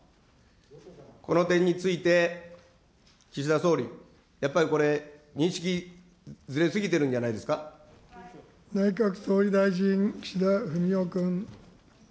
この点について岸田総理、やっぱりこれ、認識、内閣総理大臣、岸田文雄君。